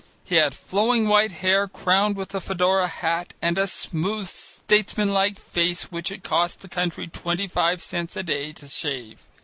He had flowing white hair crowned with a fedora hat, and a smooth statesmanlike face which it cost the country twenty five cents a day to shave.